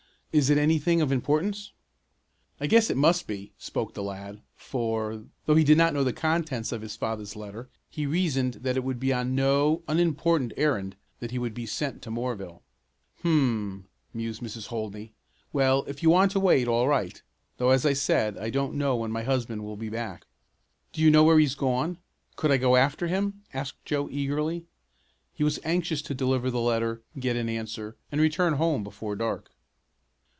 Is it anything of importance?" "I guess it must be," spoke the lad, for, though he did not know the contents of his father's letter, he reasoned that it would be on no unimportant errand that he would be sent to Moorville. "Hum," mused Mrs. Holdney. "Well, if you want to wait all right, though as I said I don't know when my husband will be back." "Do you know where he's gone? Could I go after him?" asked Joe eagerly. He was anxious to deliver the letter, get an answer, and return home before dark.